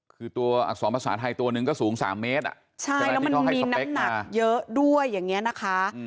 คือตัวอักษรภาษาไทยตัวนึงก็สูง๓เมตรใช่แล้วมันมีน้ำหนักเยอะด้วยอย่างนี้นะคะ